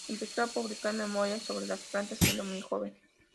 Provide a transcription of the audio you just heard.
Empezó a publicar memorias sobre plantas siendo muy joven.